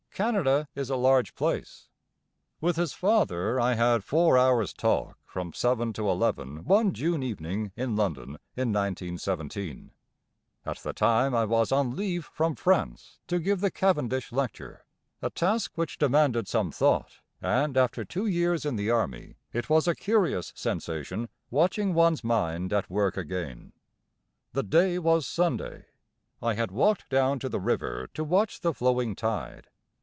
Canada is a large place. With his father I had four hours' talk from seven to eleven one June evening in London in 1917. At the time I was on leave from France to give the Cavendish Lecture, a task which demanded some thought; and after two years in the army it was a curious sensation watching one's mind at work again. The day was Sunday. I had walked down to the river to watch the flowing tide.